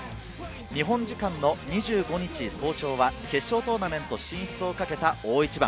日本時間の２５日早朝は決勝トーナメント進出を懸けた大一番。